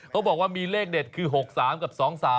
เขาบอกว่ามีเลขเด็ดคือ๖๓กับ๒๓